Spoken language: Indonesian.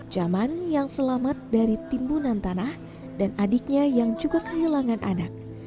jaman yang selamat dari timbunan tanah dan adiknya yang juga kehilangan anak